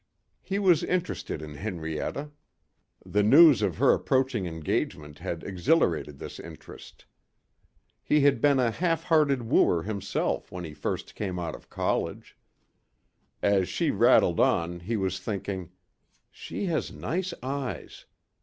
He was interested in Henrietta. The news of her approaching engagement had exhilarated this interest. He had been a half hearted wooer himself when he first came out of college. As she rattled on he was thinking, "She has nice eyes.